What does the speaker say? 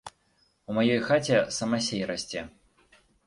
У маёй хаце самасей расце.